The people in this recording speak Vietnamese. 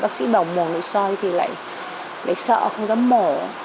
bác sĩ bỏ mổ nội soi thì lại sợ không dám mổ